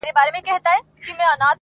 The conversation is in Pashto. هغه نجلۍ سندره نه غواړي، سندري غواړي,